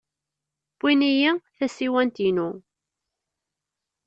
Wwin-iyi tasiwant-inu.